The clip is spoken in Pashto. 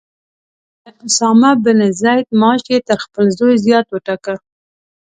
د اسامه بن زید معاش یې تر خپل زوی زیات وټاکه.